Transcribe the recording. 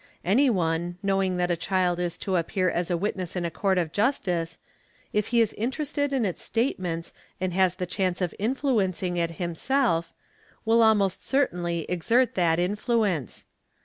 Any one, know ing that a child is to appear as a witness in a court of justice, if he is interested in its statements and has the chance of influencing it himself, will almost certainly exert that influence.